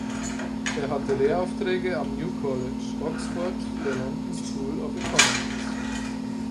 Er hatte Lehraufträge am New College, Oxford, der London School of Economics.